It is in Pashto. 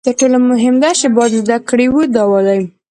تر ټولو مهم درس چې باید زده یې کړو دا دی